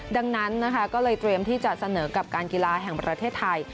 ดังนั้นนะคะก็เลยเตรียมที่จะเสนอกับการกีฬาแห่งประเทศไทย